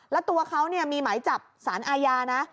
แล้วตัวเขามีหมายจับสารอาญานะ